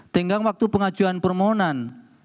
tenggang waktu pengajuan permohonan